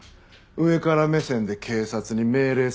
上から目線で警察に命令するだけ。